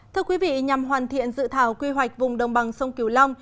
thưa quý vị nhằm hoàn thiện dự thảo quy hoạch vùng đồng bằng sông kiều long